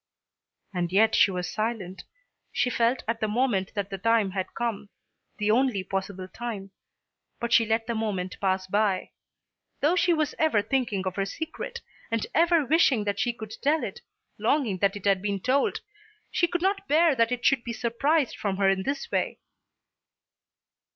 And yet she was silent. She felt at the moment that the time had come, the only possible time. But she let the moment pass by. Though she was ever thinking of her secret, and ever wishing that she could tell it, longing that it had been told, she could not bear that it should be surprised from her in this way.